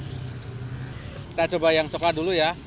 kita coba yang coklat dulu ya